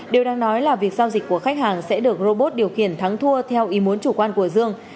điều đang nói là việc giao dịch của khách hàng sẽ được robot điều khiển thắng thua theo ý muốn chủ quan của dương